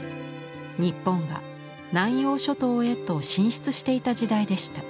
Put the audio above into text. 日本が南洋諸島へと進出していた時代でした。